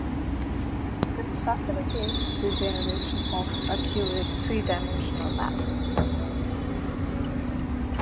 This facilitates the generation of accurate three-dimensional maps.